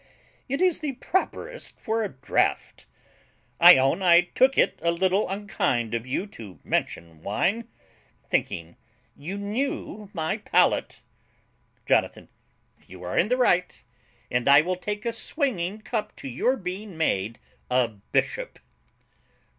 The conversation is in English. it is the properest for a DRAUGHT. I own I took it a little unkind of you to mention wine, thinking you knew my palate. JONATHAN. You are in the right; and I will take a swinging cup to your being made a bishop.